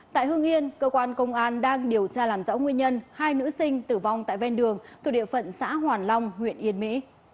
tại hương yên cơ quan công an đang điều tra làm rõ nguyên nhân hai nữ sinh tử vong tại ven đường thuộc địa phận xã hoàn long huyện yên mỹ